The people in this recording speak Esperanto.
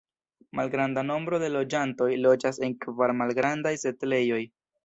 Malgranda nombro de loĝantoj loĝas en kvar malgrandaj setlejoj.